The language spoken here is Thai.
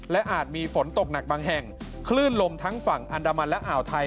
และอาจมีฝนตกหนักบางแห่งคลื่นลมทั้งฝั่งอันดามันและอ่าวไทย